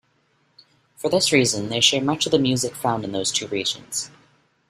For this reason, they share much of the music found in those two regions.